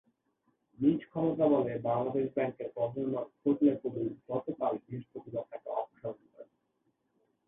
নিজ ক্ষমতাবলে বাংলাদেশ ব্যাংকের গভর্নর ফজলে কবির গতকাল বৃহস্পতিবার তাঁকে অপসারণ করেন।